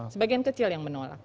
sebagian kecil yang menolak